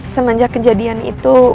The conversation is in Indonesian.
semenjak kejadian itu